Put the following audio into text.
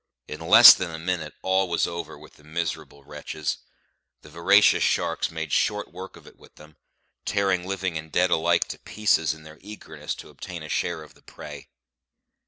In less than a minute all was over with the miserable wretches; the voracious sharks made short work of it with them, tearing living and dead alike to pieces in their eagerness to obtain a share of the prey.